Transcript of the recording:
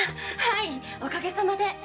はいおかげさまで。